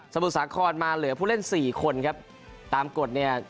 มุทรสาครมาเหลือผู้เล่นสี่คนครับตามกฎเนี่ย